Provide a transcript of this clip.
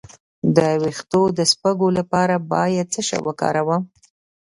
د ویښتو د شپږو لپاره باید څه شی وکاروم؟